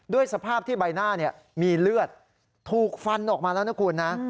สภาพที่ใบหน้ามีเลือดถูกฟันออกมาแล้วนะคุณนะ